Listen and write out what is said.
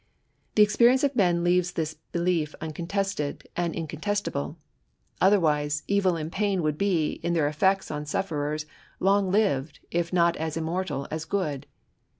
The experience of men leaves this belief uncontested, and incontestable. Otherwise, evil and pain would be^ in their effects on sufferers^ long lived, if not as immortal as good.